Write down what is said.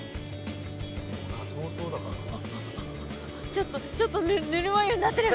ちょっとちょっとぬるま湯になってる。